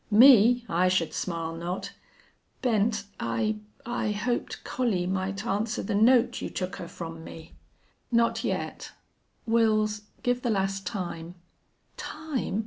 "Me? I should smile not.... Bent I I hoped Collie might answer the note you took her from me." "Not yet. Wils, give the lass time." "Time?